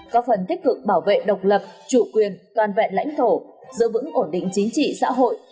có phần tích cực bảo vệ độc lập chủ quyền toàn vẹn lãnh thổ giữ vững ổn định chính trị xã hội